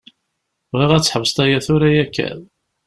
Bɣiɣ ad tḥebseḍ aya tura yakan.